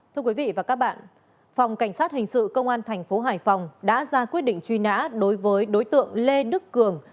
thưa quý vị và các bạn phòng cảnh sát hình sự công an thành phố hải phòng đã ra quyết định truy nã đối với đối tượng lê đức cường